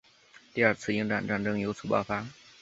第二次英藏战争由此爆发。